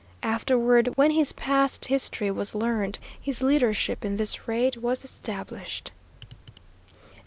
Afterward, when his past history was learned, his leadership in this raid was established.